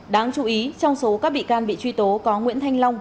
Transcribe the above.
đáng chú ý trong số các bị can bị truy tố có nguyễn thanh long